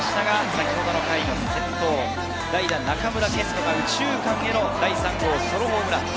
先ほどの回、先頭、代打・中村健人が右中間への第３号ソロホームラン。